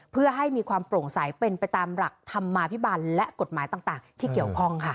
เพื่อให้มีความโปร่งใสเป็นไปตามหลักธรรมาภิบันและกฎหมายต่างที่เกี่ยวข้องค่ะ